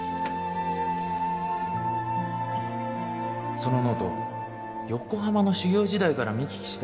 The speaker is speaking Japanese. ・そのノート横浜の修業時代から見聞きした